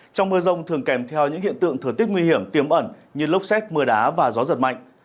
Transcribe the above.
trong mưa rông thường kèm theo những hiện tượng thừa tiết nguy hiểm kiếm ẩn như lốc xét mưa đá và gió giật mạnh